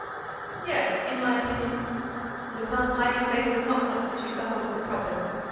"Yes, in my opinion, Lupin's hiding place does not constitute the whole of the problem.